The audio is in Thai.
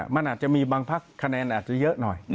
มันอาจจะมีบางพักคะแนนอาจจะเยอะหน่อย